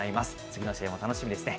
次の試合も楽しみですね。